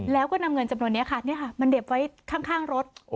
แล้วก็นำเงินจำนวนนี้ค่ะมาเห็บไว้ข้างรถ